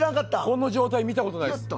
この状態見た事ないです。